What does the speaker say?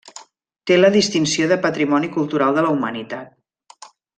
Té la distinció de Patrimoni Cultural de la Humanitat.